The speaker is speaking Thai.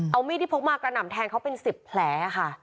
เอามีดที่พกมากระหน่ำแทงเขาเป็น๑๐แผลค่ะ